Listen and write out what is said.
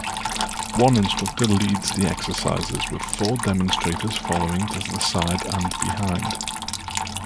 One instructor leads the exercises, with four demonstrators following to the side and behind.